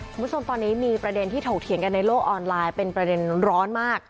คุณผู้ชมตอนนี้มีประเด็นที่ถกเถียงกันในโลกออนไลน์เป็นประเด็นร้อนมาก